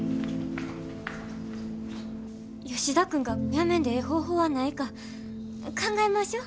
吉田君がやめんでええ方法はないか考えましょ？